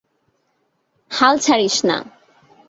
হাল ছাড়িস না।